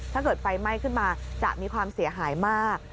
ถ้าเกิดไฟไหม้ขึ้นมาจะมีความเสียหายมาก